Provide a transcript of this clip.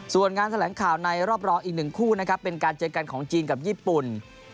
ส่วนงานแถลงข่าวในรอบรองอีก๑คู่นะครับเป็นการเจอกันของจีนกับญี่ปุ่น